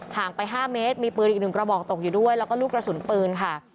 งไป๕เมตรมีปืนอีก๑กระบอกตกอยู่ด้วยแล้วก็ลูกกระสุนปืนค่ะ